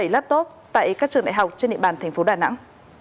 bảy laptop tại các trường đại học trên địa bàn tp đà nẵng